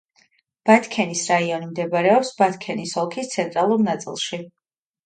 ბათქენის რაიონი მდებარეობს ბათქენის ოლქის ცენტრალურ ნაწილში.